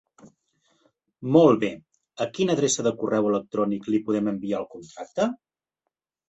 Molt bé, a quina adreça de correu electrònic li podem enviar el contracte?